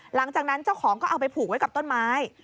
หลังจากนั้นเจ้าของก็เอาไปผูกไว้กับต้นไม้